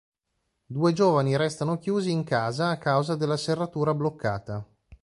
Due giovani restano chiusi in casa a causa della serratura bloccata.